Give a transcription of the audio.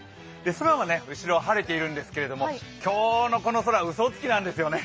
空は後ろ、晴れているんですけれども今日のこの空、うそつきなんですよね。